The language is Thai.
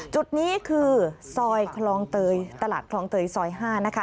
จุดนี้คือซอยคลองเตยตลาดคลองเตยซอย๕นะคะ